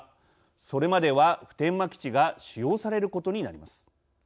それまでは普天間基地が使用されることになります。